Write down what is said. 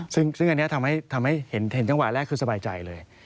ซึ่งอันนี้ทำให้เห็นจังหวะแรกคือสบายใจเลย